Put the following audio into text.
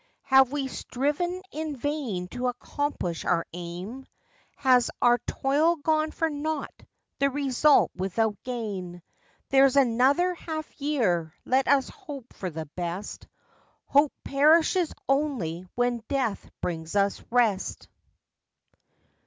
Have we striven in vain to accomplish our aim? Has our toil gone for naught, the result without gain? There's another half year let us hope for the best, Hope perishes only when death brings us rest.